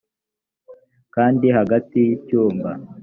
kandi hagati y icyumba